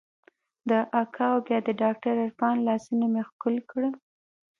د اکا او بيا د ډاکتر عرفان لاسونه مې ښکل کړل.